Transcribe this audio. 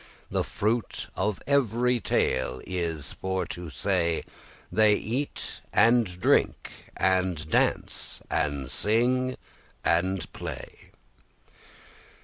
The fruit of every tale is for to say; They eat and drink, and dance, and sing, and play.